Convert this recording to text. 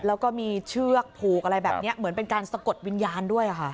แล้วก็มีเชือกผูกอะไรแบบนี้เหมือนเป็นการสะกดวิญญาณด้วยค่ะ